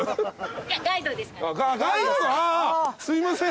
すいません。